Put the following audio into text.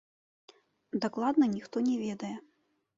Дакладна ніхто не ведае.